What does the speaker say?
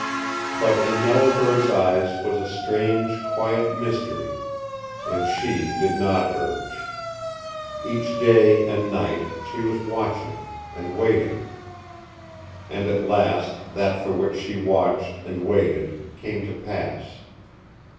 But in Yellow Bird's eyes was a strange, quiet mystery, and she did not urge. Each day and night she was watching and waiting. And at last that for which she watched and waited came to pass.